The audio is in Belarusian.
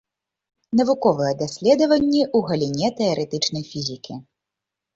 Навуковыя даследаванні ў галіне тэарэтычнай фізікі.